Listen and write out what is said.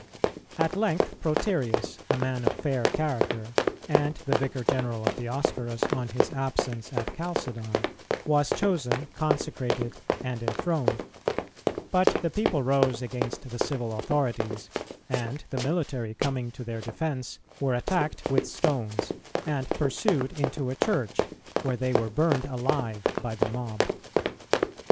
At length Proterius, a man of fair character, and the Vicar general of Dioscorus on his absence at Chalcedon, was chosen, consecrated, and enthroned; but the people rose against the civil authorities, and the military, coming to their defence, were attacked with stones, and pursued into a church, where they were burned alive by the mob.